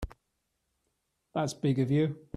That's big of you.